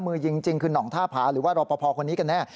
มือยิงจริงคือห่องท่าผาหรือว่ารอปภคนนี้กันแน่